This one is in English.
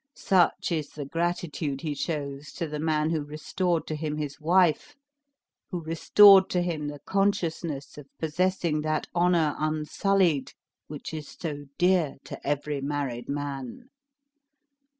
Such is the gratitude he shows to the man who restored to him his wife; who restored to him the consciousness of possessing that honor unsullied which is so dear to every married man!